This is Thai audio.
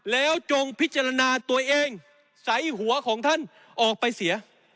แล้วจงพิจารณาตัวเองใส่หัวของท่านออกไปเสีย